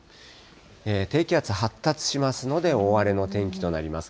低気圧発達しますので、大荒れの天気となります。